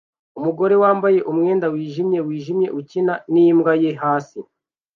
Umugore wambaye umwenda wijimye wijimye ukina nimbwa ye hasi